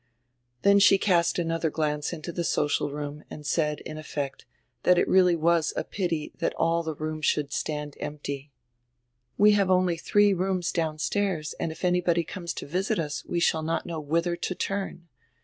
Then she cast anodier glance into die social room and said, in effect, diat it was really a pity all diat room should stand empty. "We have only diree rooms downstairs and if anybody conies to visit us we shall not know whither to turn.